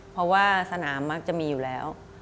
เพราะว่าสนามมักจะมีอยู่แล้ว